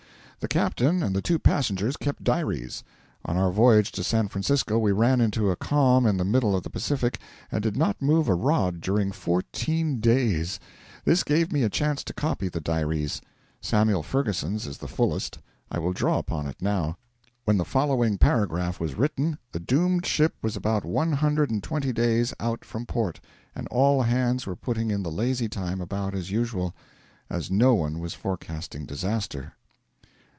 The captain and the two passengers kept diaries. On our voyage to San Francisco we ran into a calm in the middle of the Pacific, and did not move a rod during fourteen days; this gave me a chance to copy the diaries. Samuel Ferguson's is the fullest; I will draw upon it now. When the following paragraph was written the doomed ship was about one hundred and twenty days out from port, and all hands were putting in the lazy time about as usual, as no one was forecasting disaster.